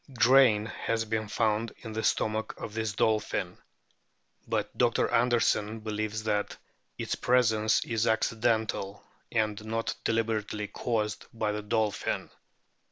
Grain has been found in the stomach of this dolphin ; but Dr. Anderson believes that its presence is accidental and not deliberately caused by the dolphin.